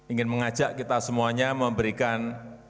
ingin mengajak kita semuanya memberikan